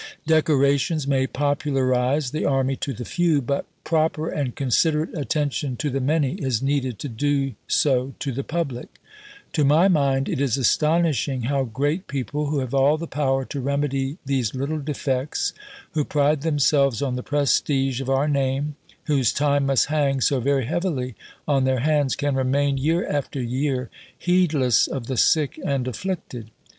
Decorations may popularise the army to the few, but proper and considerate attention to the many is needed to do so to the public. To my mind it is astonishing how great people, who have all the power to remedy these little defects, who pride themselves on the prestige of our name, whose time must hang so very heavily on their hands, can remain year after year heedless of the sick and afflicted.